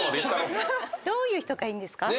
どういう人がいいんですか？